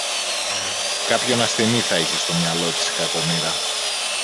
Κάποιον ασθενή θα είχε στο μυαλό της η κακομοίρα